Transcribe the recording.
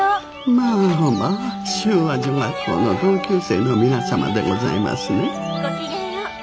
まあまあ修和女学校の同級生の皆様でございますね。